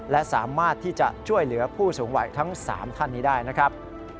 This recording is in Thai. และสามารถที่จะช่วยเหลือผู้สูงวัยทั้ง๓ท่านนี้ได้นะครับ